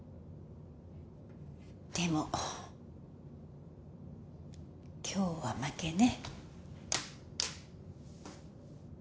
でも今日は負けね。